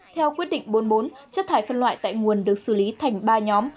theo quyết định bốn mươi bốn chất thải phân loại tại nguồn được xử lý thành ba nhóm